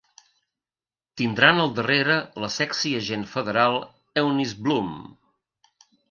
Tindran al darrere la sexy agent federal Eunice Bloom.